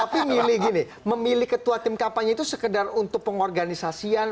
tapi milih gini memilih ketua tim kampanye itu sekedar untuk pengorganisasian